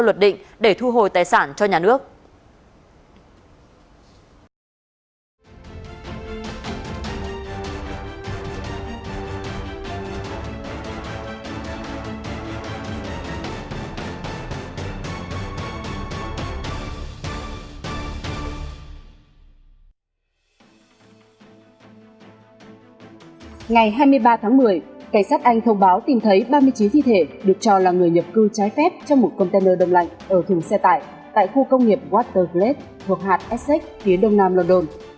cảnh sát anh thông báo tìm thấy ba mươi chín thi thể được cho là người nhập cư trái phép trong một container đông lạnh ở thùng xe tải tại khu công nghiệp waterflake thuộc hạt essex phía đông nam london